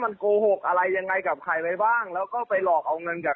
มันโกหกอะไรยังไงกับใครไว้บ้างแล้วก็ไปหลอกเอาเงินจาก